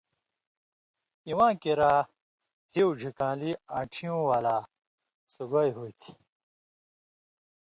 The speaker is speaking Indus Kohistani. (اِواں کِریا) ہیُو ڙِھکان٘لی آن٘ڇھیُوں والا سُگائیہ ہو تھی۔